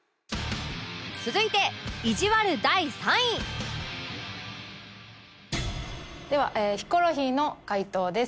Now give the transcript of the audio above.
続いていじわる第３位ではヒコロヒーの回答です。